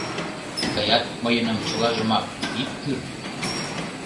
— Тыят мыйыным чылажымак ит кӱр...